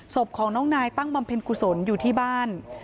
ศพของน้องนายตั้งบำเพ็ญกุศลอยู่ที่บ้าน